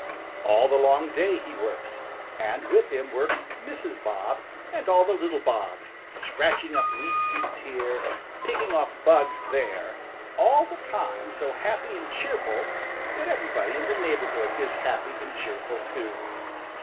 All the long day he works, and with him works Mrs. Bob and all the little Bobs, scratching up weed seeds here, picking off bugs there, all the time so happy and cheerful that everybody in the neighborhood is happy and cheerful too.